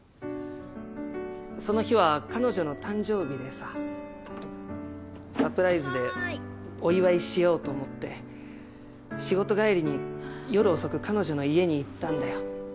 その日は彼女の誕生日でさサプライズでお祝いしようと思って仕事帰りに夜遅く彼女の家に行ったんだよ。